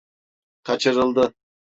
Kaçırıldı.